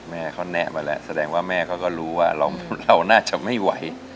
แม่เขาแนะมาแล้วแสดงว่าแม่เขาก็รู้ว่าเราน่าจะไม่ไหว